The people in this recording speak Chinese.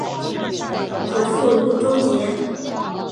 祖父路仲节。